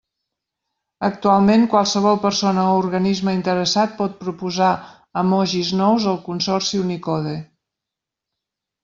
Actualment, qualsevol persona o organisme interessat pot proposar emojis nous al consorci Unicode.